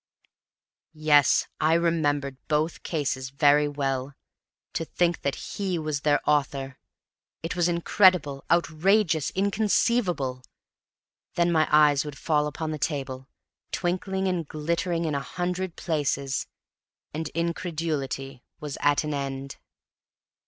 Yes, I remembered both cases very well. To think that he was their author! It was incredible, outrageous, inconceivable. Then my eyes would fall upon the table, twinkling and glittering in a hundred places, and incredulity was at an end.